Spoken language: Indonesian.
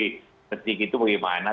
seperti itu bagaimana